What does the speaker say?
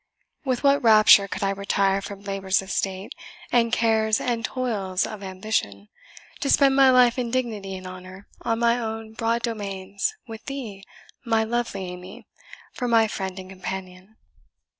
With what rapture could I retire from labours of state, and cares and toils of ambition, to spend my life in dignity and honour on my own broad domains, with thee, my lovely Amy, for my friend and companion!